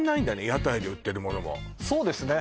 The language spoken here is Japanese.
屋台で売ってるものもそうですね